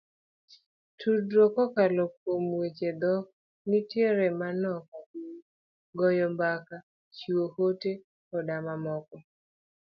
Tudruok kokalo kuom weche dhok nitiere manok ahinya, goyo mbaka, chiwo ote koda mamoko.